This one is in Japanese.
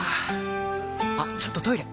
あっちょっとトイレ！